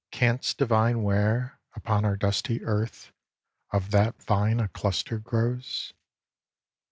Canst divine Where, upon our dusty earth, of that vine a cluster grows?